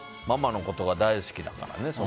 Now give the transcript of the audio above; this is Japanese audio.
ママのことが大好きだからね。